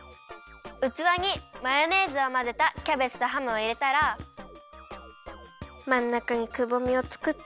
うつわにマヨネーズをまぜたキャベツとハムをいれたらまんなかにくぼみをつくって。